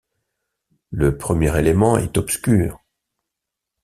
Le premier élément est obscur.